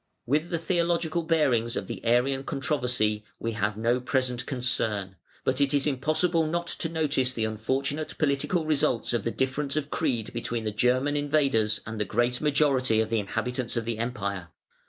With the theological bearings of the Arian controversy we have no present concern; but it is impossible not to notice the unfortunate political results of the difference of creed between the German invaders and the great majority of the inhabitants of the Empire.